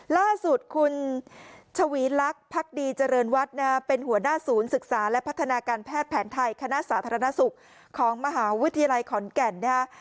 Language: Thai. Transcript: ล่าสุดคุณชวีลักษณ์พักดีเจริญวัดนะฮะเป็นหัวหน้าศูนย์ศึกษาและพัฒนาการแพทย์แผนไทยคณะสาธารณสุขของมหาวิทยาลัยขอนแก่นนะฮะ